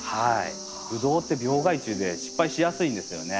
ブドウって病害虫で失敗しやすいんですよね。